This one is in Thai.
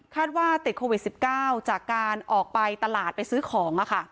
ว่าติดโควิด๑๙จากการออกไปตลาดไปซื้อของ